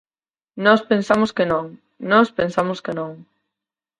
Nós pensamos que non, nós pensamos que non.